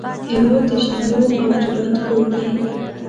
هیواد د شملو او جرئت کور دی